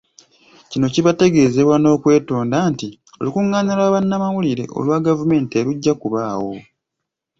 Kino kibategeezebwa n'okwetonda nti olukungaana lwa bannamawulire olwa gavumenti terujja kubaawo.